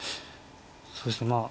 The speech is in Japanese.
そうですねまあ。